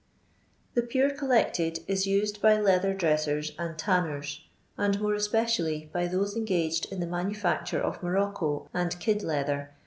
The pure collected is used by leather dressers and tanners, and more especially by those engaged in the manufacture of morocco and kid leathec.